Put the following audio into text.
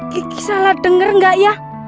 gigi salah denger gak ya